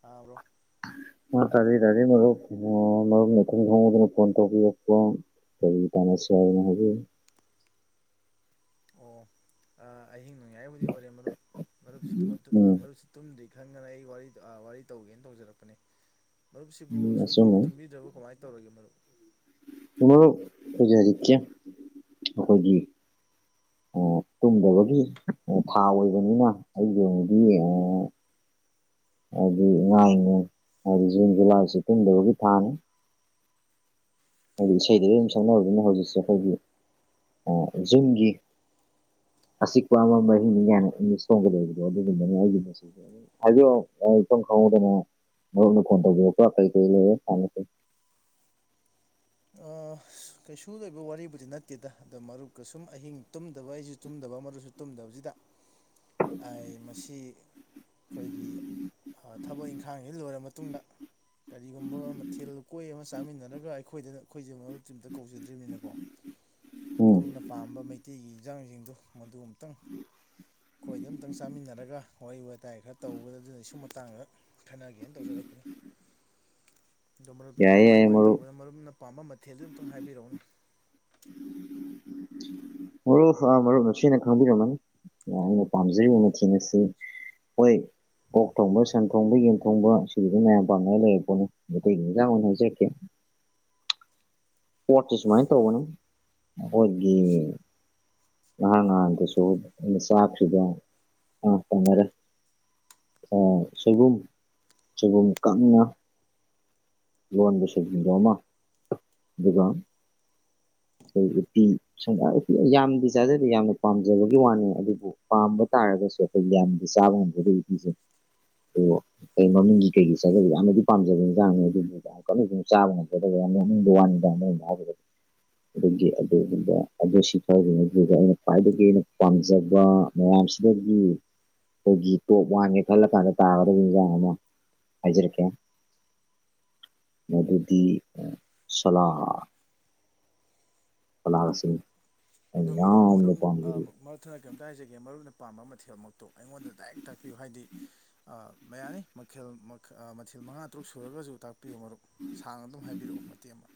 ꯇꯥꯕ꯭ꯔꯣ [unintelligible] ꯇꯗꯤ ꯇꯗꯤ [unintelligible] [unintelligible] [inaudible] ꯑꯣ ꯑꯍꯤꯡ ꯅꯣꯡꯌꯥꯏꯕꯨꯗꯤ ꯑꯣꯏꯔꯦ ꯃꯔꯨꯞ ꯃꯔꯨꯞꯁꯤ ꯎꯝ ꯃꯔꯨꯞꯁꯤ ꯇꯨꯝꯗꯣꯏ ꯈꯪꯗꯅ ꯑꯩ ꯋꯥꯔꯤ ꯋꯥꯔꯤ ꯇꯧꯒꯦꯅ ꯇꯧꯖꯔꯛꯄꯅꯦ ꯃꯔꯨꯞꯁꯤꯕꯨ ꯎꯝ ꯁꯨꯡꯇꯨꯡꯅ ꯑꯆꯨꯝꯕ ꯇꯨꯝꯕꯤꯗ꯭ꯔꯕ ꯀꯃꯥꯏꯅ ꯇꯧꯔꯒꯦ ꯃꯔꯨꯞ [unintelligible] ꯇꯨꯝꯗꯕꯒꯤ ꯊꯥ ꯑꯣꯏꯕꯅꯤꯅ ꯑꯩꯒꯤꯗꯤ [inaudible] ꯍꯥꯏꯗꯤ ꯑꯉꯥꯡꯅꯦ ꯍꯥꯏꯗꯤ ꯖꯨꯟ ꯖꯨꯂꯥꯏꯁꯤ ꯇꯟꯗꯕꯒꯤ ꯊꯥꯅꯤ ꯍꯥꯏꯗꯤ ꯏꯁꯩ ꯑꯗꯨꯝ ꯁꯛꯅꯔꯅꯤꯅ ꯍꯧꯖꯤꯛꯁꯦ ꯑꯩꯈꯣꯏꯒꯤ ꯖꯨꯟꯒꯤ [inaudible] ꯑꯛꯄ ꯑꯃ ꯃꯍꯔꯤꯅꯤꯅꯦ ꯍꯅ ꯆꯣꯡꯒꯗꯕꯗꯣ ꯑꯗꯨꯒꯨꯝꯕ ꯑꯩꯒꯤ ꯗꯅꯥ ꯃꯔꯨꯞꯅ ꯐꯣꯅ ꯇꯧꯕꯤꯔꯛꯄ [unintelligible] [inaudible] ꯀꯩꯁꯨ ꯂꯣꯏꯕ ꯋꯥꯔꯤꯕꯨꯗꯤ ꯅꯠꯇꯦꯗ ꯑꯗꯣ ꯃꯔꯨꯞꯀ ꯁꯨꯝ ꯑꯍꯤꯡ ꯇꯨꯝꯗꯕ ꯑꯩꯁꯨ ꯆꯨꯝꯗꯕ ꯇ ꯃꯁꯨ ꯇꯨꯝꯗꯕꯁꯤꯗ ꯃꯁꯤ ꯑꯩꯈꯣꯏꯒꯤ ꯊꯕꯛ ꯏꯪꯈꯥꯡꯁꯤ ꯂꯣꯏꯔ ꯃꯇꯨꯡꯗ ꯀꯔꯤꯒꯨꯝꯕ ꯃꯊꯦꯜ ꯂꯨꯀꯣꯏ ꯑꯃ ꯆꯥꯃꯤꯟꯅꯔꯒ ꯑꯩꯈꯣꯏꯗ ꯑꯩꯈꯣꯏꯁꯦ ꯃꯔꯨꯞ ꯇꯤꯝꯇ ꯀꯧꯖꯗ꯭ꯔꯤꯕꯅꯤꯅꯀꯣ ꯃꯔꯨ ꯎꯝ ꯑꯣꯏꯅ ꯄꯥꯝꯕ ꯃꯩꯇꯩꯒꯤ ꯏꯟꯖꯥꯡꯁꯤꯡꯗꯨ ꯃꯗꯨ ꯑꯃꯨꯛꯇꯪ ꯑꯩꯈꯣꯏꯗ ꯑꯝꯇꯪ ꯆꯥꯃꯤꯟꯅꯔꯒ ꯋꯥꯔꯤ ꯋꯥꯇꯥꯏ ꯈꯔ ꯇꯧꯕꯒꯗ ꯑꯗꯨꯅ ꯑꯩ ꯁꯨꯝ ꯃꯇꯥꯡꯗ ꯈꯟꯅꯒꯦꯅ ꯇꯧꯖꯔꯛꯒꯦ [unintelligible] [inaudible] ꯑꯗꯣ ꯃꯔꯨꯞꯇ ꯌꯥꯏꯌꯦ ꯀꯃꯥꯏ ꯌꯥꯏꯌꯦ ꯀꯃꯥꯏꯅ ꯃꯔꯨꯞ ꯇꯧꯒꯅꯣ ꯃꯔꯨꯞꯅ ꯄꯥꯝꯕ ꯃꯊꯦꯜꯗꯨ ꯑꯝꯇꯪ ꯍꯥꯏꯕꯤꯔꯛꯎꯅꯤ ꯃꯔꯨꯞ ꯐꯥ ꯃꯔꯨꯞ ꯅꯁꯦꯅ ꯈꯪꯕꯤꯔꯝꯃꯅꯤ ꯑꯩꯅ ꯄꯥꯝꯖꯔꯤꯕ ꯃꯊꯦꯡ ꯑꯁꯤ ꯑꯣꯏ ꯑꯣꯛ ꯊꯣꯡꯕ ꯁꯟ ꯊꯣꯡꯕ ꯌꯦꯟ ꯊꯣꯡꯕ ꯁꯤꯗꯤ ꯃꯌꯥꯝ ꯄꯥꯝꯅꯉ ꯂꯩꯔꯛ ꯄꯣꯠꯅꯤ ꯑꯇꯩ ꯏꯟꯖꯥꯡ ꯑꯣꯏꯅ ꯍꯥꯏꯖꯈꯤꯦ [unintelligible] [inaudible] ꯄꯆꯤꯁ ꯃꯥꯏ ꯇꯧꯕꯅ ꯍꯧꯣꯏꯒꯤ ꯉꯍꯥꯡ ꯉꯍꯥꯟꯗꯨꯁꯨ ꯑ ꯆꯥꯛꯁꯤꯗ ꯇꯅꯔꯦ ꯁꯣꯏꯕꯨꯝ ꯁꯣꯏꯕꯨꯝ ꯀꯪꯅ ꯂꯣꯟꯕꯁꯔꯁꯤꯡꯕ ꯑꯃ ꯑꯗꯨꯒꯕ [unintelligible] [inaudible] ꯑꯩꯈꯣꯏ ꯎꯇꯤ ꯁꯨꯡ ꯎꯇꯤ ꯌꯥꯝꯗꯤ ꯆꯥꯖꯗꯦ ꯌꯥꯝꯅ ꯄꯥꯝꯖꯕꯒꯤ ꯋꯥꯅꯦ ꯑꯗꯨꯕꯨ ꯄꯥꯝꯕ ꯇꯥꯔꯒꯗꯤ ꯑꯩ ꯌꯥꯗꯤ ꯆꯥꯕꯗꯁꯦ ꯑꯗꯨ ꯑꯩ ꯃꯃꯤꯡꯒꯤ ꯀꯩꯒꯤ ꯆꯗꯗ ꯌꯥꯝꯅꯗꯤ ꯄꯥꯝꯖꯕ ꯏꯟꯖꯥꯡꯅꯤ ꯑꯗꯨꯕꯨ ꯀꯟꯅ ꯆꯥꯕ ꯉꯝꯒꯗꯕ ꯌꯥꯝ ꯋꯥꯟꯗ [inaudible] ꯑꯗꯨꯒꯤ ꯑꯗꯨꯒꯨꯝꯕ ꯑꯗꯨ ꯁꯤ ꯐꯥꯎꯒꯤꯅꯤ ꯑꯗꯨꯗ ꯑꯩꯅ ꯈ꯭ꯋꯥꯏꯗꯒꯤ ꯑꯩꯅ ꯄꯥꯝꯖꯕ ꯔꯝꯁꯤꯗꯦꯕ [inaudible] ꯑꯩꯈꯣꯏꯒꯤ ꯇꯣꯞ ꯋꯥꯟꯒꯦ ꯈꯜꯂ ꯀꯥꯟꯗ ꯇꯥꯒꯗꯕ ꯏꯖꯥꯡ ꯑꯃ ꯍꯥꯏꯖꯔꯛꯀꯦ ꯃꯗꯨꯗꯤ ꯁꯂ ꯑꯗꯣ ꯑꯩꯅ ꯃꯔꯨꯞ ꯌꯥꯝꯅ ꯃꯔꯨꯞ ꯄꯥꯝꯖꯔꯤ ꯃꯔꯨꯞ ꯊꯅ ꯀꯔꯤꯝꯇ ꯍꯥꯏꯖꯒꯦ ꯃꯔꯨꯞꯅ ꯄꯥꯝꯕ ꯃꯊꯦꯜ ꯑꯃꯛꯇ ꯑꯩꯉꯣꯟꯗ ꯗꯥꯏꯔꯦꯛ ꯇꯥꯛꯄꯤꯌꯨ ꯍꯥꯏꯗꯤ ꯃ ꯌꯥꯅꯤ ꯃꯈꯦꯜ ꯃꯊꯦꯜ ꯃꯉꯥ ꯇꯔꯨꯛ ꯁꯨꯔꯒꯁꯨ ꯇꯥꯛ ꯄꯤꯌꯨ ꯃꯔꯨꯞ ꯁꯥꯡꯅ ꯑꯗꯨꯝ ꯍꯥꯏꯕꯤꯔꯛꯑꯣ ꯃꯇꯦꯛ ꯑꯃ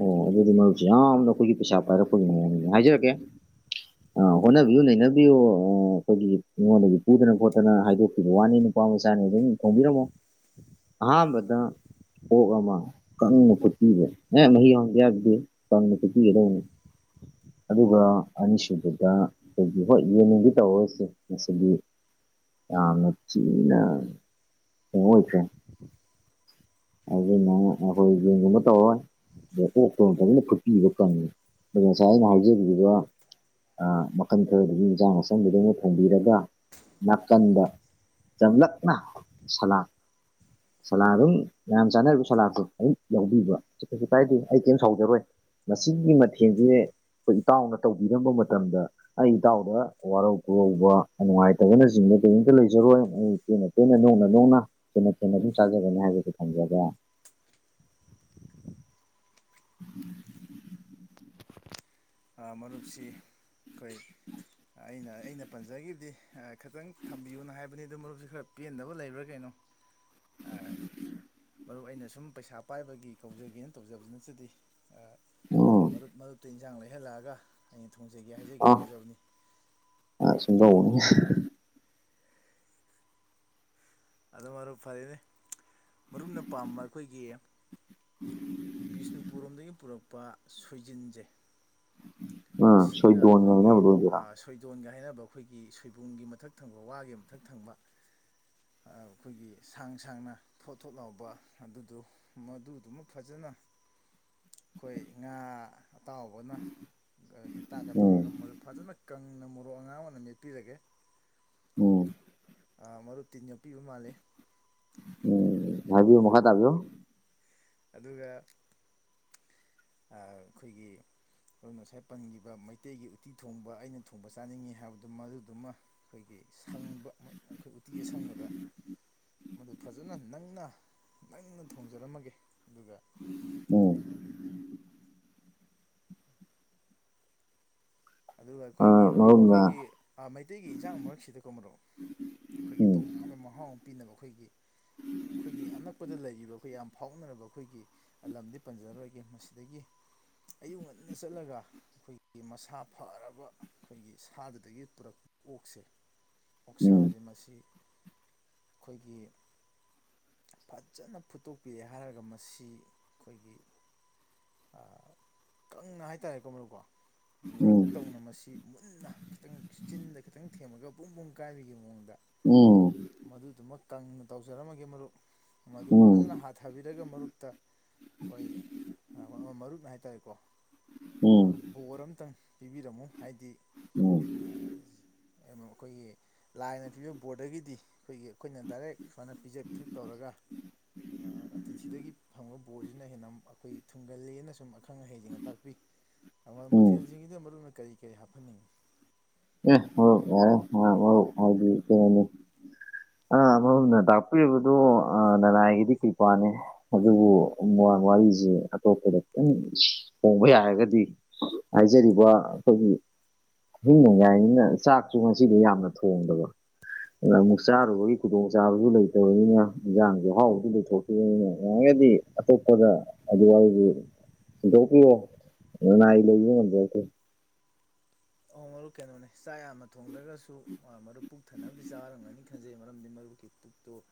ꯑꯣ ꯑꯗꯨꯗꯤ ꯃꯔꯨꯁꯤꯦ ꯑ ꯑ ꯑꯩꯈꯣꯏꯒꯤ ꯄꯩꯁꯥ ꯄꯥꯏꯔꯛꯄꯈꯣꯏꯒꯤ ꯃꯅꯦ ꯍꯥꯏꯖꯔꯛꯀꯦ [unintelligible] [inaudible] ꯍꯣꯠꯅꯕꯤꯌꯨ ꯅꯩꯅꯕꯤꯌꯨ ꯑꯩꯈꯣꯏꯒꯤ ꯃꯤꯉꯣꯟꯗꯒꯤ ꯄꯨꯗꯅ ꯈꯣꯠꯇꯅ ꯍꯥꯏꯗꯣꯛꯈꯤꯕ ꯋꯥꯅꯤ ꯅꯨꯄꯥ ꯃꯆꯥꯅꯤ ꯊꯣꯡꯕꯤꯔꯃꯣ ꯑꯍꯥꯟꯕꯗ ꯑꯣꯛ ꯑꯃ ꯀꯪꯅ ꯐꯨꯠꯄꯤꯔꯦ ꯑꯦ ꯃꯍ ꯍꯗ ꯌꯥꯗꯤꯦꯅ ꯄꯤꯗꯅꯦ ꯑꯗꯨꯒ ꯑꯅꯤꯁꯨꯕꯗ ꯑꯩꯈꯣꯏꯒꯤ ꯍꯣꯏ ꯌꯦꯡꯅꯤꯡꯒꯤ ꯇꯧꯔꯁꯦ ꯃꯁꯤꯗꯤ ꯀꯥꯅ ꯆꯤꯅ ꯍꯣꯡꯣꯏꯁꯦ ꯑꯗꯨꯅ ꯑꯩꯈꯣꯏ ꯌꯦꯡꯒꯨꯝꯕ ꯇꯧꯔꯏ ꯑꯗꯣ ꯀꯣꯛꯇꯅ ꯐꯖꯅ ꯐꯠꯄꯤꯕ ꯀꯪꯉꯤ ꯑꯗꯣ ꯉꯁꯥꯏ ꯑꯩꯅ ꯍꯧꯖꯈꯤꯕꯗ ꯃꯈꯜ ꯈꯔꯗꯨꯒꯤ ꯌꯦꯟꯖꯥꯡ ꯃꯁꯝꯗꯨꯗꯩꯅ ꯐꯣꯡꯕꯤꯔꯒ ꯅꯥꯀꯟꯗ ꯆꯝꯂꯛꯅ ꯁꯂꯥꯡ ꯁꯂꯥ ꯑꯗꯨꯝ ꯌꯥꯝ ꯆꯥꯅꯔꯤꯕ ꯁꯂꯥꯗꯣ ꯑꯗꯨ ꯌꯥꯎꯕꯤꯕ ꯁꯤ ꯀꯩꯁꯨ ꯀꯥꯏꯗꯦ ꯑꯩ ꯀꯩꯝ ꯁꯥꯎꯖꯔꯣꯏ ꯃꯁꯤꯒꯤ ꯃꯊꯦꯜꯁꯦ ꯑꯩꯈꯣꯏ ꯏꯇꯥꯎꯅ ꯇꯧꯕꯤꯔꯝꯕ ꯃꯇꯝꯗ ꯑꯩ ꯏꯇꯥꯎꯗ ꯋꯥꯔꯧ ꯄꯨꯔꯧꯕ ꯅꯨꯡꯉꯥꯏꯇꯕꯅꯆꯤꯡꯕ ꯀꯝꯇ ꯂꯩꯖꯔꯣꯏ ꯑꯩ ꯄꯦꯟꯅ ꯇꯦꯟꯅ ꯅꯣꯡꯅ ꯅꯣꯡꯅ ꯍꯦꯟꯅ ꯄꯦꯟꯅ ꯑꯗꯨꯝ ꯆꯥꯖꯒꯅꯤ ꯍꯥꯏꯕꯗꯨ ꯊꯝꯖꯕ꯭ꯔꯦ [unintelligible] [inaudible] [unintelligible] [inaudible] ꯃꯔꯨꯞꯁꯤ ꯑꯩꯈꯣꯏ ꯑꯩꯅ ꯑꯩꯅ ꯄꯟꯖꯈꯤꯕꯗꯤ ꯈꯤꯇꯪ ꯊꯝꯕꯤꯌꯨꯅ ꯍꯥꯏꯕꯅꯤ ꯑꯗꯨꯣ ꯃꯔꯨꯞꯁꯤ ꯈꯔ ꯄꯦꯟꯗꯕ ꯂꯩꯕ꯭ꯔꯥ ꯀꯩꯅꯣ ꯍ [unintelligible] ꯃꯔꯨꯞ ꯑꯩꯅ ꯁꯨꯝ ꯄꯩꯁꯥ ꯄꯥꯏꯕꯒꯤ ꯀꯧꯖꯒꯦꯅ ꯇꯧꯖꯕꯕꯁꯤ ꯅꯆꯗꯤ ꯎꯝ ꯃꯔꯨꯞ ꯃꯔꯨꯞꯇ ꯏꯟꯁꯥꯡ ꯂꯩꯍꯜꯂꯛꯑꯒ ꯑꯩꯅ ꯊꯣꯡꯖꯒꯦ ꯍꯥꯏꯖꯒꯦ ꯑ ꯇꯧꯖꯕꯅꯤ ꯑꯗꯨꯕꯨ ꯁꯨꯝꯗꯧꯕꯅꯤ ꯑꯗꯨ ꯃꯔ ꯐꯔꯅꯦ ꯃꯔꯨꯞꯅ ꯄꯥꯝꯕ ꯑꯩꯈꯣꯏꯒꯤ ꯕꯤꯁꯅꯨꯄꯨꯔꯣꯝꯗꯒꯤ ꯄꯨꯔꯛꯄ ꯁꯣꯏꯖꯤꯟꯖꯩ ꯎꯝ ꯃꯁꯤꯒ ꯁꯣꯏꯗꯣꯟꯒ ꯑꯩꯈꯣꯏꯒꯤ ꯍꯥꯏꯅꯕꯗꯣ ꯑꯣꯏꯗꯣꯏꯔꯥ ꯁꯣꯏꯗꯣꯟꯒ ꯍꯥꯏꯅꯕ ꯑꯩꯈꯣꯏꯒꯤ ꯁꯣꯏꯕꯨꯝꯒꯤ ꯃꯊꯛ ꯊꯪꯕ ꯋꯥꯒꯤ ꯃꯊꯛ ꯊꯪꯕ ꯑꯩꯈꯣꯏꯒꯤ ꯁꯥꯡ ꯁꯥꯡꯅ ꯊꯣꯠ ꯊꯣꯠ ꯂꯥꯎꯕ ꯑꯗꯨꯗꯣ ꯃꯗꯨꯗꯨꯃ ꯐꯖꯅ ꯑꯩꯈꯣꯏ ꯉꯥ ꯑꯇꯥꯎꯕꯅ ꯍꯦꯟꯇꯥꯛꯀ ꯎꯝ ꯇꯧꯔꯒ ꯃꯗꯨ ꯐꯖꯅ ꯀꯪꯅ ꯃꯣꯔꯣꯛ ꯑꯉꯥꯡ ꯑꯣꯏꯅ ꯃꯦꯠꯄꯤꯔꯒꯦ ꯎꯝ ꯑ ꯃꯔꯨꯞ ꯇꯤꯟ ꯌꯥ ꯄꯄꯤꯕ ꯃꯥꯜꯂꯦ ꯍꯥꯏꯕꯤꯌ ꯃꯈꯐꯠ ꯑꯌꯣ ꯑꯗꯨꯒ ꯑꯩꯈꯣꯏꯒꯤ ꯑꯗꯨ ꯉꯁꯥꯏ ꯄꯟꯈꯤꯕ ꯃꯩꯇꯩꯒꯤ ꯎꯇꯤ ꯊꯣꯡꯕ ꯑꯩꯅ ꯊꯣꯡꯕ ꯆꯥꯅꯤꯡꯏꯤ ꯍꯥꯏꯕꯗꯨ ꯃꯗꯨꯗꯨꯃ ꯑꯩꯈꯣꯏꯒꯤ ꯁꯪꯕ ꯑꯩꯈꯣꯏ ꯎꯇꯤ ꯑꯁꯪꯕꯗ ꯃꯗꯨ ꯐꯖꯅ ꯅꯪꯅ ꯅꯪꯅ ꯊꯣꯡꯖꯔꯝꯃꯒꯦ ꯑꯗꯨꯒ ꯎꯝ ꯑꯗꯨꯒ ꯑ ꯑꯩꯈꯣꯏꯒꯤ ꯃꯔꯨꯞ ꯃꯔꯨꯞꯅ ꯑꯩꯈꯣꯏꯒꯤꯩ ꯃꯩꯇꯩꯒꯤ ꯏꯟꯁꯥꯡ ꯃꯔꯛꯁꯤꯗꯀꯣ ꯃꯔꯨꯞ ꯑꯩꯈꯣꯏꯒꯤ ꯎꯝ ꯇꯣꯉꯥꯟꯕ ꯃꯍꯥꯎ ꯑꯃ ꯄꯤꯅꯕ ꯑꯩꯈꯣꯏꯒꯤ ꯑꯩꯈꯣꯏꯒꯤ ꯑꯅꯛꯄꯗ ꯂꯩꯔꯤꯕ ꯑꯩꯈꯣꯏ ꯌꯥꯝ ꯐꯥꯎꯅꯔꯕ ꯑꯩꯈꯣꯏꯒꯤ ꯂꯝꯗꯤ ꯄꯟꯖꯔꯔꯣꯏꯒꯦ ꯃꯁꯤꯗꯒꯤ ꯑꯌꯨꯛ ꯉꯟꯅ ꯆꯠꯂꯒ ꯑꯩꯈꯣꯏꯒꯤ ꯃꯁꯥ ꯐꯔꯕ ꯑꯩꯈꯣꯏꯒꯤ ꯁꯥꯗꯨꯗꯒꯤ ꯄꯨꯔꯛꯄ ꯑꯣꯛꯁꯦ ꯎꯝ ꯑꯣꯛꯁꯥꯁꯦ ꯃꯁꯤ ꯑꯩꯈꯣꯏꯒꯤ ꯐꯖꯅ ꯐꯨꯠꯇꯣꯛꯄꯤꯔꯦ ꯍꯥꯏꯔꯒ ꯃꯁꯤ ꯑꯩꯈꯣꯏꯒꯤ ꯀꯪꯅ ꯍꯥꯏꯇꯥꯔꯦ ꯀꯣ ꯃꯔꯅꯨꯀꯣ ꯃꯨꯔꯛ ꯎꯝ ꯇꯧꯅ ꯃꯁꯤ ꯃꯨꯟꯅ ꯈꯤꯇꯪ ꯆꯤꯟꯟꯅ ꯈꯤꯇꯪ ꯊꯦꯝꯃꯒ ꯄꯨꯡ ꯄꯨꯡ ꯀꯥꯏꯕꯒꯤ ꯃꯑꯣꯡꯗ ꯎꯝ ꯃꯗꯨꯗꯨꯃ ꯀꯪꯅ ꯇꯧꯖꯔꯝꯃꯒꯦ ꯃꯔꯨꯞ ꯃꯗꯨ ꯐꯖꯅ ꯍꯥꯊꯕꯤ ꯑꯗꯨꯒ ꯃꯔꯨꯞꯇ ꯑꯩꯈꯣꯏ ꯃꯔꯨꯞꯅ ꯍꯥꯏꯇꯥꯔꯦꯀꯣ ꯎꯝ ꯎꯝ ꯕꯣꯔ ꯑꯃꯇꯪ ꯄꯤꯕꯤꯔꯝꯃꯣ ꯍꯥꯏꯗꯤ ꯎꯝ ꯑꯩꯈꯣꯏꯒꯤ ꯂꯥꯏꯅ ꯄꯤꯕ ꯕꯣꯔꯗꯒꯤꯗꯤ ꯑꯩꯈꯣꯏꯒꯤ ꯑꯩꯈꯣꯏꯅ ꯗꯥꯏꯔꯦꯛ ꯁꯨꯃꯥꯏꯅ ꯄꯤꯖ ꯄꯤꯊꯛ ꯇꯧꯔꯒ ꯑꯇꯤꯊꯤꯗꯒꯤ ꯐꯪꯕ ꯕꯣꯔꯁꯤꯅ ꯍꯦꯟꯅ ꯑꯩꯈꯣꯏ ꯊꯨꯡꯒꯂꯦꯅ ꯁꯨꯝ ꯑꯈꯪ ꯑꯍꯩꯁꯤꯡꯅ ꯇꯥꯛꯄꯤ ꯎꯝ ꯃꯊꯦꯜꯁꯤꯡꯁꯤꯗ ꯃꯔꯨ ꯑꯣꯏꯅ ꯀꯔꯤ ꯀꯔꯤ ꯍꯥꯞꯍꯟꯅꯤꯡꯉꯤ [unintelligible] ꯃꯔꯨꯞ ꯍꯥꯏꯗꯤ ꯁꯝꯅ ꯇꯥꯛꯄꯤꯔꯤꯕꯗꯨ ꯂꯅꯥꯏꯒꯤꯗꯤ ꯀ꯭ꯔꯤ ꯄꯅꯦ ꯑꯗꯨꯕꯨ ꯋꯥꯔꯤꯁꯤ ꯑꯇꯣꯞꯄꯗ ꯈꯤꯇꯪ ꯍꯣꯡꯕ ꯌꯥꯔꯒꯗꯤ ꯍꯥꯏꯖꯔꯤꯕ ꯑꯩꯈꯣꯏꯒꯤ ꯍꯤꯡꯅꯉꯥꯏꯅꯤꯅ ꯆꯥꯛꯁꯨ ꯉꯁꯤꯗꯤ ꯌꯥꯝꯅ ꯊꯣꯡꯗꯕ ꯃꯨꯛꯁꯥꯔ ꯑꯣꯏꯒꯤ ꯀꯗꯨꯝ ꯆꯥꯕꯁꯨ ꯂꯩꯇꯕꯅꯤꯅ ꯏꯟꯖꯥꯡꯁꯨ ꯑꯍꯥꯎꯕꯗꯨ ꯂꯩꯊꯣꯛꯇꯈꯤꯕꯅꯤꯅ ꯌꯥꯔꯒꯗꯤ ꯑꯇꯣꯞꯄꯗ ꯣꯛꯀꯤꯣ ꯂꯅꯥꯏ ꯂꯩ ꯉꯗ ꯃꯔꯨ ꯀꯩꯅꯣꯅꯦ ꯆꯥꯛ ꯌꯥꯝꯅ ꯊꯣꯡꯗ꯭ꯔꯒꯁꯨ ꯃꯔꯨꯞ ꯄꯨꯛꯊꯅꯕꯗꯤ ꯆꯥꯔꯝꯒꯅꯤ ꯐꯖꯩ ꯃꯔꯝꯗꯤ ꯃꯔꯨꯞꯀꯤ ꯄꯨꯛꯇꯨ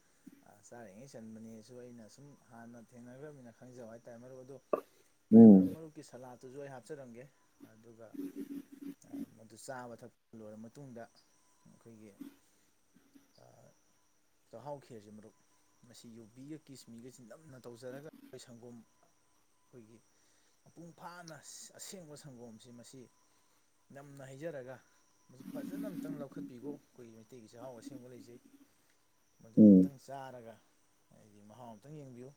ꯑ ꯆꯥꯔꯤꯉꯩ ꯆꯟꯕꯅꯦꯁꯨ ꯑꯩꯅ ꯁꯨꯝ ꯍꯥꯟꯅ ꯊꯦꯡꯅꯈ꯭ꯔꯕꯅꯤꯅ ꯈꯪꯖꯕ ꯍꯥꯏꯇꯥꯔꯦ ꯃꯔꯨꯞ ꯑꯗꯣ ꯐꯔꯦ ꯃꯔꯨꯞ ꯎꯝ ꯃꯔꯨꯞꯀꯤ ꯁꯂꯥꯠꯇꯨꯁꯨ ꯑꯩ ꯍꯥꯞꯆꯔꯝꯒꯦ ꯑꯗꯨꯒ ꯆꯥꯕ ꯊꯛꯄ ꯂꯣꯏꯔꯕ ꯃꯇꯨꯡꯗ ꯑꯩꯈꯣꯏꯒꯤ ꯆ ꯍꯥꯎ ꯈꯦꯔꯁꯤꯦ ꯃꯨꯞ ꯃꯁꯤ ꯌꯨꯕꯤꯒ ꯀꯤꯁꯃꯤꯒꯁꯤ ꯅꯝꯅ ꯇꯧꯖꯔꯒ ꯑꯩꯈꯣꯏ ꯁꯪꯒꯣꯝ ꯑꯩꯈꯣꯏꯒꯤ ꯃꯄꯨꯡ ꯐꯥꯅ ꯑꯁꯦꯡꯕ ꯁꯪꯒꯣꯝꯁꯤ ꯃꯁꯤ ꯁꯅ ꯍꯥꯏꯩꯖꯔꯒ ꯃꯁꯤ ꯐꯖꯅ ꯑꯨꯛꯇꯪ ꯂꯧꯈꯠꯄꯤꯈꯣ ꯑꯩꯈꯣꯏꯒꯤ ꯃꯩꯇꯩꯒꯤ ꯆꯥꯛꯍꯥꯎ ꯑꯁꯦꯡꯕ ꯂꯩꯖꯩ ꯃꯗꯨꯗꯨ ꯎꯝ ꯑꯨꯇꯪ ꯆꯥꯔꯒ ꯑꯩꯗꯤ ꯃꯍꯥꯎ ꯑꯃꯇꯪ ꯌꯦꯡꯕꯤꯌꯨ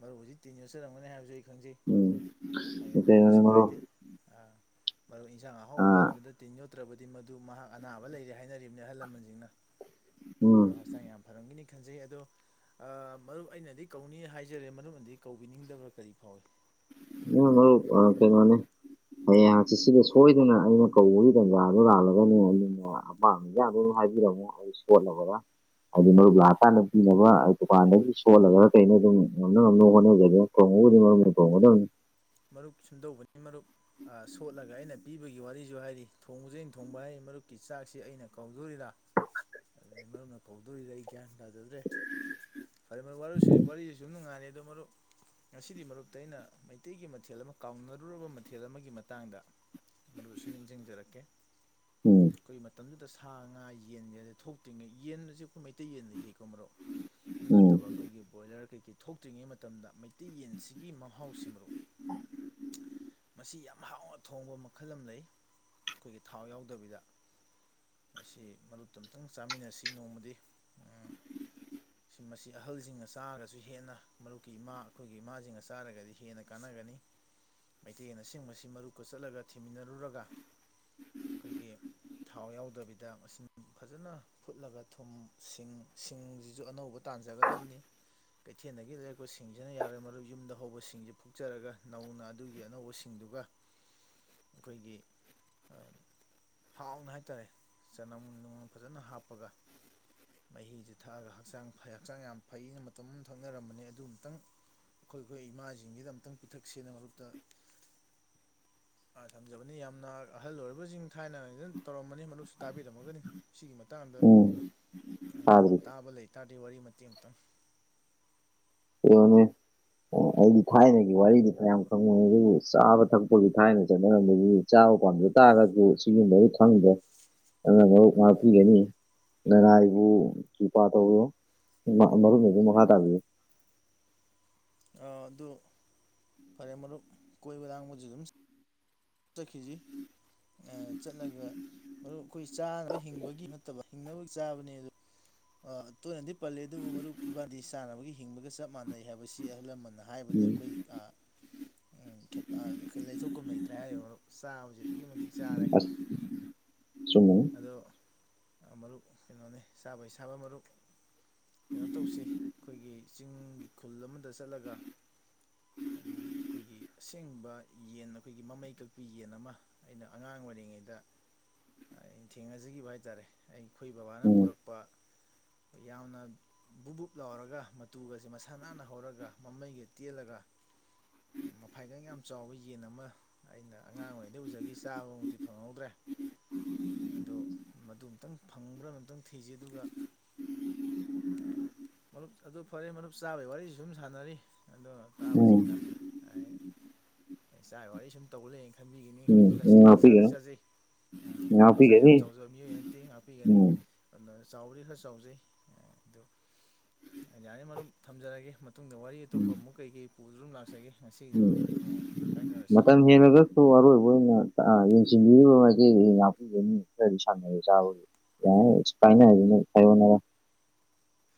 ꯃꯔꯨꯖꯤꯛ ꯇꯤꯤꯟ ꯌꯖꯔꯝꯒꯅꯤ ꯍꯥꯏꯕꯁꯨ ꯑꯩ ꯎꯝ ꯈꯪꯖꯩꯄꯤ ꯀꯩꯅꯣꯅꯦ ꯀꯩꯁꯨ ꯃꯔꯨꯞ ꯀꯥꯏꯗꯦ ꯃꯔ ꯌꯦꯟꯁꯥꯡ ꯑꯍꯥꯎꯕ ꯑꯥ ꯄꯟꯕꯗ ꯇꯤꯟ ꯌꯣꯠꯇ꯭ꯔꯕꯗꯤ ꯃꯗꯨ ꯃꯍꯥꯛ ꯑꯅꯥꯕ ꯂꯩꯔꯦ ꯍꯥꯏꯅꯔꯤꯕꯅꯤ ꯑꯍꯜ ꯂꯃꯟꯁꯤꯡꯅ ꯎꯝ ꯃꯔꯨ ꯍꯛꯆꯥꯡ ꯌꯥꯝ ꯐꯔꯝꯒꯅꯤ ꯈꯟꯖꯩ ꯑꯗꯣ ꯃꯔꯨꯞ ꯑꯩꯅꯗꯤ ꯀꯧꯅꯤ ꯍꯥꯏꯖꯔꯦ ꯃꯔꯨꯞꯅꯗꯤ ꯀꯧꯕꯤꯅꯤꯡꯗꯕ꯭ꯔꯥ ꯀꯔꯤ ꯐꯥꯎꯏ ꯑ ꯂ ꯀꯩ ꯃꯥꯅꯦ ꯍꯌꯦꯡ ꯁꯤꯁꯤꯗ ꯁꯣꯏꯗꯅ ꯑꯩꯅ ꯀꯧꯕꯒꯤ ꯇꯥꯟꯖꯥꯗ ꯂꯥꯜꯂꯒꯅꯦ ꯑꯗꯨꯅ ꯑꯄꯥꯝꯕꯗ ꯍꯥꯏꯕꯤꯔꯃꯣ ꯁꯂꯕ ꯍꯥꯏꯗꯤ ꯃꯔꯨꯞ ꯂꯥꯛꯑꯀꯥꯟꯗ ꯄꯤꯅꯕ ꯗꯨꯀꯥꯟꯗꯒꯤ ꯁꯣꯜꯂꯒ ꯀꯩꯅ ꯑꯗꯨꯝ ꯉꯝꯅ ꯉꯝꯅꯕ ꯍꯣꯠꯅꯖꯒꯦ ꯑꯣꯗꯤꯃꯔ ꯄꯗꯅꯤ ꯃꯔꯨꯞ ꯁꯨꯝꯗꯧꯕꯅꯤ ꯃꯔꯨꯞ ꯁꯣꯠꯂꯒ ꯑꯩꯅ ꯄꯤꯕꯒꯤ ꯋꯥꯔꯤꯁꯨ ꯍꯥꯏꯔꯤ ꯊꯣꯡꯕꯁꯦ ꯑꯩꯅ ꯊꯣꯡꯕ ꯍꯥꯏ ꯃꯔꯨꯞꯀꯤ ꯆꯥꯛꯁꯤ ꯑꯩꯅ ꯀꯧꯗꯣꯔꯤꯔꯥ ꯑꯗꯨꯩ ꯃꯔꯝꯅ ꯀꯧꯗꯣꯔꯤꯁ ꯑꯩ ꯒ꯭ꯌꯥꯟ ꯇꯥꯖꯗ꯭ꯔꯦ ꯐꯔꯦ ꯋꯥꯔꯤꯁꯤ ꯁꯨꯝ ꯅꯨꯡꯉꯥꯏꯜꯂꯤ ꯑꯗꯣ ꯃꯔꯨꯞ ꯉꯁꯤꯗꯤ ꯃꯔꯨꯞꯇ ꯑꯩꯅ ꯃꯩꯇꯩꯒꯤ ꯃꯊꯦꯜ ꯑꯃ ꯀꯥꯎꯅꯔꯨꯔꯕ ꯃꯊꯦꯜ ꯑꯃꯒꯤ ꯃꯇꯥꯡꯗ ꯃꯗꯨꯁꯨ ꯅꯤꯡꯁꯤꯡꯖꯔꯛꯀꯦ ꯑꯣꯝ ꯑꯩꯈꯣꯏꯒꯤ ꯃꯇꯝꯗꯨꯗ ꯁꯥ ꯉꯥ ꯌꯦꯟꯁꯗ ꯊꯣꯛꯇ꯭ꯔꯤꯉꯩ ꯌꯦꯟꯁꯦ ꯑꯩꯈꯣꯏ ꯃꯩꯇꯩ ꯌꯦꯟ ꯂꯩꯖꯩꯀꯣ ꯃꯔꯣꯛ ꯑꯗꯨ ꯎꯝ ꯅꯠꯇꯕ ꯑꯩꯈꯣꯏꯒꯤ ꯕꯣꯏꯂꯔ ꯀꯩꯀꯩ ꯊꯣꯛꯇ꯭ꯔꯤꯉꯩ ꯃꯇꯝꯗ ꯃꯩꯇꯩ ꯌꯦꯟꯁꯤꯒꯤ ꯃꯍꯥꯎꯁꯤ ꯃꯔꯨꯞ [inaudible] ꯃꯁꯤ ꯌꯥꯝ ꯍꯥꯎꯅ ꯊꯣꯡꯕ ꯃꯈꯜ ꯑꯃ ꯂꯩ ꯑꯩꯈꯣꯏꯒꯤ ꯊꯥꯎ ꯌꯥꯎꯗꯕꯤꯗ ꯃꯁꯤ ꯃꯔꯨꯞꯨꯞ ꯑꯃꯨꯇꯪ ꯆꯥꯃꯤꯟꯅꯁꯤ ꯅꯣꯡꯃꯗꯤ ꯃꯁꯤ ꯑꯍꯜꯁꯤꯡꯅ ꯆꯥꯔꯒꯁꯨ ꯍꯦꯟꯅ ꯃꯔꯨꯞꯀꯤ ꯏꯃꯥ ꯑꯩꯈꯣꯏꯒꯤ ꯏꯃꯥꯁꯤꯡꯒ ꯆꯥꯔꯒꯗꯤ ꯍꯦꯟꯅ ꯀꯥꯟꯅꯒꯅꯤ ꯃꯩꯇꯩꯅ ꯆꯤꯡꯕꯁꯤ ꯃꯔꯨꯞꯀ ꯆꯠꯂꯒ ꯊꯤꯃꯤꯟꯅꯔꯨꯔꯒ ꯑꯩꯈꯣꯏꯒꯤ ꯊꯥꯎ ꯌꯥꯎꯗꯕꯤꯗ ꯃꯁꯤꯡ ꯐꯖꯅ ꯐꯨꯠꯂꯒ ꯊꯨꯝ ꯁꯤꯡ ꯁꯤꯡꯁꯤꯁꯨ ꯑꯅꯧꯕ ꯇꯥꯟꯖꯒꯗꯕꯅꯤ ꯀꯩꯊꯦꯜꯗꯒꯤ ꯂꯩꯔꯛꯄ ꯁꯤꯡꯁꯤꯅ ꯌꯥꯔꯣꯏ ꯃꯔꯨ ꯌꯨꯝꯗ ꯍꯧꯕꯁꯤꯡꯁꯤ ꯐꯛꯆꯔꯒ ꯅꯧꯅ ꯑꯗꯨꯒꯤ ꯑꯅꯧꯕꯁꯤꯡꯗꯨꯒ ꯑꯩꯈꯣꯏꯒꯤ ꯍꯥꯎꯅ ꯍꯥꯏꯇꯥꯔꯦ ꯆꯅꯝ ꯅꯨꯡꯃ ꯐꯖꯅ ꯍꯥꯞꯄꯒ ꯃꯍꯤꯤꯁ ꯊꯛꯑꯒ ꯍꯛꯆꯥꯡ ꯐꯩ ꯍꯛꯆꯥꯡ ꯌꯥꯝ ꯐꯩꯅ ꯃꯇꯝ ꯑꯃ ꯊꯛꯅꯔꯝꯕꯅꯦ ꯑꯗꯨ ꯑꯃꯨꯛꯇꯪ ꯑꯩꯈꯣꯏ ꯑꯩꯈꯣꯏ ꯏꯃꯥꯁꯤꯡꯁꯤꯗ ꯑꯝꯛꯇꯪ ꯄꯤꯊꯛ ꯁꯦꯟꯅ ꯃꯔꯛꯇ ꯊꯝꯖꯕꯅꯤ ꯌꯥꯝꯅ ꯑꯍꯜ ꯑꯣꯏꯔꯕꯁꯤꯡ ꯊꯥꯏꯅꯅ ꯇꯧꯔꯝꯃꯅꯤ ꯃꯗꯨꯁꯨ ꯇꯥꯕꯤꯔꯝꯃꯒꯅꯤ ꯁꯤꯒꯤ ꯃꯇꯥꯡꯗ ꯎꯝ ꯃꯔꯅ ꯇꯥꯗ꯭ꯔꯤ ꯇꯥꯕ ꯂꯩꯇꯥꯥꯔ ꯋꯥꯔꯤ ꯃꯇ ꯑꯃꯛꯇꯪ ꯑꯅꯦ ꯑꯣ ꯑꯩꯗꯤ ꯊꯥꯏꯅꯒꯤ ꯋꯥꯔꯤꯗꯤ ꯀꯌꯥꯝ ꯈꯪꯕꯣꯏ ꯑꯗꯨꯕꯨ ꯆꯥꯕ ꯊꯛꯄꯒꯤ ꯊꯥꯏꯅ ꯆꯠꯅꯔꯝꯗ ꯄꯥꯝꯖ ꯇꯥꯔꯒꯁꯨ ꯁꯤꯒꯨꯝꯕꯗꯤ ꯈꯪꯗ꯭ꯔꯦ ꯑꯗꯨꯅ ꯃꯛ ꯉꯥꯛꯄꯤꯒꯅꯤ ꯂꯅꯥꯏꯕꯨ ꯆꯨꯄꯥ ꯇꯧꯔꯣ ꯃꯔꯨꯞꯗꯨ ꯃꯈꯥ ꯇꯥꯕꯤꯌꯨ ꯑ ꯑꯗꯨ ꯐꯔꯦ ꯃꯔꯨꯞ ꯀꯣꯏꯕ ꯂꯥꯡꯕꯗꯨ ꯑꯗꯨꯝ ꯆꯠꯈꯤꯁꯤ ꯆꯠꯂꯒ ꯑꯗꯨ ꯑꯩꯈꯣꯏ ꯆꯥꯅꯕ ꯍꯤꯡꯕꯒꯤ ꯅꯠꯇꯕ ꯍꯤꯡꯅꯕꯒꯤ ꯆꯥꯕꯅꯦ ꯑꯗꯨ ꯇꯣꯏꯅꯗꯤ ꯄꯜꯂꯤꯦ ꯑꯗꯨꯕꯨ ꯃꯔꯨꯞ ꯏꯕꯥꯗꯤ ꯁꯥꯟꯅꯕꯒꯤ ꯍꯤꯡꯕꯒ ꯆꯞ ꯃꯥꯟꯅꯩ ꯍꯥꯏꯕꯁꯤ ꯑꯍꯜ ꯂꯃꯟꯅ ꯍꯥꯏꯕꯗꯨ ꯑꯗ ꯎꯝ ꯑꯩꯈꯣꯏ ꯎꯝ ꯂꯩꯊꯣꯛꯀꯨꯝ ꯂꯩꯇ꯭ꯔꯦ ꯍꯥꯏꯌꯣ ꯃꯔꯨꯞ ꯆꯥꯕꯁꯦ ꯑꯗꯨꯛꯀꯤ ꯃꯇꯤꯛ ꯆꯥꯔꯦ ꯆꯨꯝꯃꯤ ꯑꯗꯣ ꯃꯔꯨꯞ ꯀꯩꯅꯣꯅꯦ ꯆꯥꯕꯩꯁꯥ ꯊꯕ ꯃꯔꯨꯞ ꯀꯩꯅꯣ ꯇꯧꯁꯤ ꯑꯩꯈꯣꯏꯒꯤ ꯆꯤꯡꯒꯤ ꯈꯨꯜ ꯑꯃꯗ ꯆꯠꯂꯒ ꯑꯩꯈꯣꯏꯒꯤ ꯑꯁꯦꯡꯕ ꯌꯦꯟ ꯑꯩꯈꯣꯏꯒꯤ ꯃꯃꯩ ꯀꯛꯄꯤ ꯌꯦꯟ ꯑꯃ ꯑꯩꯅ ꯑꯉꯥꯡ ꯑꯣꯏꯔꯤꯉꯩꯗ ꯑ ꯊꯦꯡꯅꯖꯈꯤꯕ ꯍꯥꯏꯇꯥꯔꯦ ꯑꯩ ꯑꯩꯈꯣꯏ ꯕꯕꯥꯅ ꯎꯝ ꯄꯨꯔꯛꯄ [inaudible] ꯌꯥꯝꯅ ꯕꯨꯛ ꯕꯨꯨꯞ ꯂꯥꯎꯔꯒ ꯃꯇꯨꯒꯁꯦ ꯃꯁꯥ ꯅꯥꯟꯅ ꯍꯧꯔꯒ ꯃꯃꯩꯒ ꯇꯦꯜꯂꯒ ꯃꯐꯥꯏꯒꯪ ꯌꯥꯝ ꯆꯥꯎꯕ ꯌꯦꯟ ꯑꯃ ꯑꯩꯅ ꯑꯉꯥꯡ ꯑꯣꯏꯔꯤꯩꯗꯩ ꯎꯖꯈꯤ ꯆꯥꯕꯃꯨꯛꯇꯤ ꯐꯪꯍꯧꯗ꯭ꯔꯦ ꯑꯗꯣ ꯃꯗꯨ ꯑꯨꯇꯪ ꯐꯪꯕ꯭ꯔꯥ ꯑꯨꯛꯇꯪ ꯊꯤꯖ ꯑꯗꯨꯒ ꯑ ꯃꯔꯨꯞ ꯑꯗꯨ ꯐꯔꯦ ꯃꯔꯨꯞ ꯆꯥꯕꯒꯤ ꯋꯥꯔꯤꯁꯨ ꯁꯨꯝ ꯁꯥꯟꯅꯔꯤ ꯑꯗꯣ ꯎꯝ ꯇꯥꯕꯁꯤꯡꯅ ꯆꯥ ꯋꯥꯔꯤ ꯁꯨꯝ ꯇꯧꯕ ꯂꯩꯌꯦꯅ ꯈꯟꯕꯤꯈꯤꯅꯤ ꯎꯝ ꯑꯩꯈꯣꯏꯗꯤ ꯇꯁꯦꯡꯅ ꯆꯥꯗꯤ ꯉꯥꯛꯄꯤꯒꯅꯨ ꯆꯥꯖꯩ ꯎꯝ ꯑꯩꯈꯣꯏ ꯍꯛꯆꯥꯡ ꯉꯥꯛꯄꯤꯒꯅꯤ ꯌꯥꯝ ꯆꯥꯎꯖꯕ ꯃꯤꯑꯣꯏ ꯑꯅ ꯇꯦꯡ ꯍꯥꯞꯄꯤꯒꯅꯤ ꯎꯝ ꯑꯗꯨꯅ ꯆꯥꯎꯔꯤ ꯈꯔ ꯆꯥꯎꯖꯩ ꯑꯗꯨ ꯌꯥꯔꯤ ꯃꯔꯝ ꯊꯝꯖꯔꯒꯦ ꯃꯇꯨꯡꯗ ꯋꯥꯔꯤ ꯑꯇꯣꯞꯄ ꯎꯝ ꯑꯃꯨꯛ ꯀꯩꯀꯩ ꯄꯨꯗꯨ ꯑꯗꯨꯝ ꯂꯥꯛꯆꯒꯦ ꯉꯁꯤꯒꯤꯗꯤ ꯎꯝ ꯃꯔꯨꯞ ꯀꯥꯏꯅꯔꯁꯤ ꯃꯇꯝ ꯍꯉꯒꯁꯨꯁꯨ ꯑꯔꯣꯏꯕꯅ ꯑ ꯌꯦꯡꯁꯤꯟꯕꯤꯔꯤꯕ ꯃꯦ ꯉꯥꯛꯄꯤꯒꯅꯤ ꯈꯔꯗꯤ ꯁꯥꯟꯅꯩꯦ ꯆꯥꯕꯒꯤ ꯌꯥ ꯏꯁ ꯄꯥꯏꯅ ꯍꯥꯏ ꯑꯗꯨ ꯐꯥꯏꯕꯅ [inaudible]